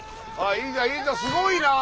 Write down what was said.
いいじゃんいいじゃんすごいな！